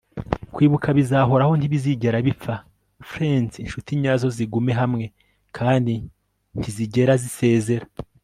kwibuka bizahoraho, ntibizigera bipfa friends inshuti nyazo zigume hamwe kandi ntizigera zisezera